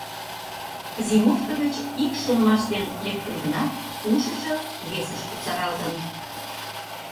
Зимовко гыч ик шонымаш дене лектын гынат, ушыжо весыш кусаралтын.